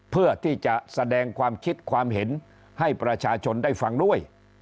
เพื่อที่จะแสดงความคิดความเห็นให้ประชาชนได้ฟังด้วย